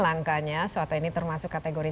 langkanya soto ini termasuk kategori